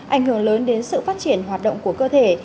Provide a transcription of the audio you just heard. ảnh hưởng lớn đến sự phát triển hoạt động của cơ thể